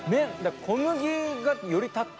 小麦がよりたった。